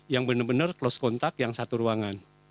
yang benar benar close contact yang satu ruangan